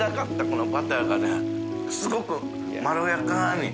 このバターがね垢瓦まろやかに。